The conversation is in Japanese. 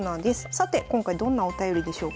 さて今回どんなお便りでしょうか。